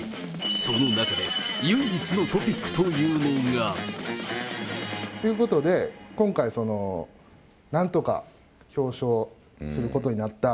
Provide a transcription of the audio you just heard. その中で唯一のトピックというのが。っていうことで、今回、なんとか表彰することになった、